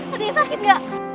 ada yang sakit gak